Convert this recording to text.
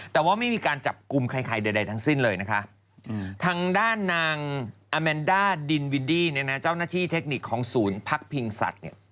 แต่ว่าไม่มีการจับกลุ่มใครใดทั้งสิ้นเลยนะคะ